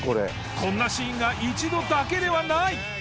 こんなシーンが１度だけではない！